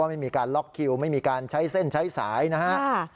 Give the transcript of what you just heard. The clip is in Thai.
ไม่มีการล็อกคิวไม่มีการใช้เส้นใช้สายนะฮะ